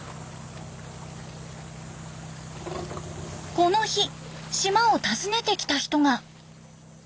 この日島を訪ねてきた人が。